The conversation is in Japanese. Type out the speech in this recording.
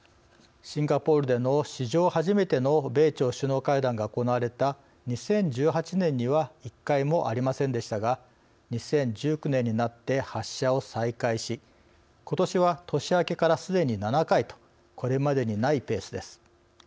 シンガポールでの史上初めての米朝首脳会談が行われた２０１８年には１回もありませんでしたが２０１９年になって発射を再開しことしは年明けからすでに７回とこれまでにないペースです。